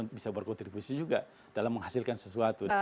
bisa berkontribusi juga dalam menghasilkan sesuatu